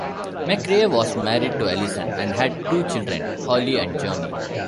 McRae was married to Alison, and had two children, Hollie and Johnny.